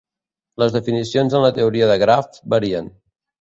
Les definicions en la teoria de grafs varien.